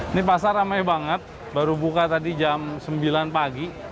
ini pasar ramai banget baru buka tadi jam sembilan pagi